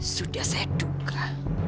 sudah saya duka